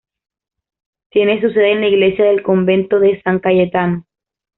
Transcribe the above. Tiene su sede en la iglesia del convento de San Cayetano.